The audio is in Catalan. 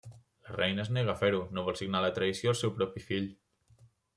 La reina es nega a fer-ho, no vol signar la traïció al seu propi fill.